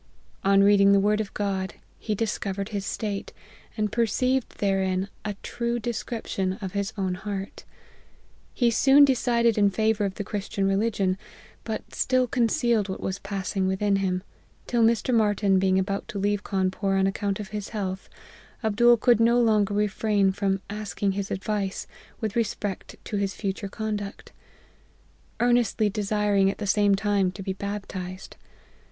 On read ing the word of God, he discovered his state, and perceived therein a true description of his own heart. He soon decided in favour of the Christian religion ; but still concealed what was passing within him, till Mr. Martyn being about to leave Cawnpore on account of his health, Abdool could no longer refrain from asking his advice with re spect to his future conduct ; earnestly desiring at the same time, to be baptized.